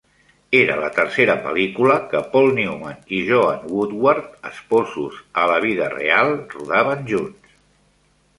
Era la tercera pel·lícula que Paul Newman i Joanne Woodward, esposos a la vida reial, rodaven junts.